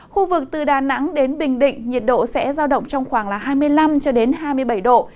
khu vực từ đà nẵng đến bình định nhiệt độ sẽ giao động trong khoảng hai mươi năm cho đến hai mươi bảy độ